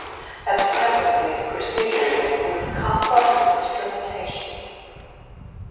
At present these procedures include complex instrumentation.